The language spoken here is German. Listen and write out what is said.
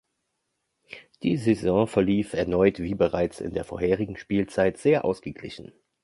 Die Saison verlief erneut, wie bereits in der vorherigen Spielzeit, sehr ausgeglichen.